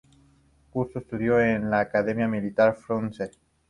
Cursó estudios en la Academia militar Frunze.